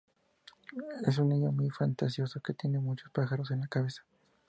Es un niño muy fantasioso que tiene muchos pájaros en la cabeza